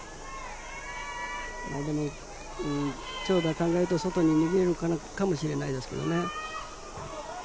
でも長打を考えると外に逃げるかもしれないですね。